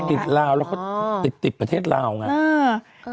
ลาวแล้วก็ติดประเทศลาวไง